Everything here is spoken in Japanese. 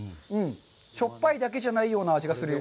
しょっぱいだけじゃないような味がする。